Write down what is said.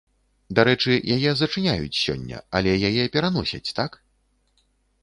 Дарэчы, яе зачыняюць сёння, але яе пераносяць, так?